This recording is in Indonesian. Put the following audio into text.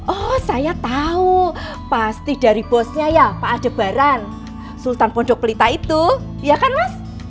oh saya tahu pasti dari bosnya ya pak adebaran sultan pondok pelita itu ya kan mas